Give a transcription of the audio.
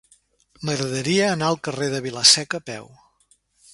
M'agradaria anar al carrer de Vila-seca a peu.